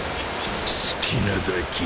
・好きなだけ。